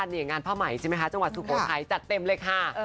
นี่งานผ้าใหม่ใช่ไหมคะจังหวัดสุโขทัยจัดเต็มเลยค่ะ